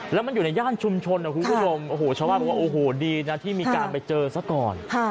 และมันอยู่ในย่านชุมชนผู้กดังชาวบ้านบอกว่าโอ้โหดีนะที่มีการไปเจอซะก่อน